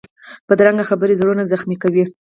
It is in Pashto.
بدرنګه خبرې زړونه زخمي کوي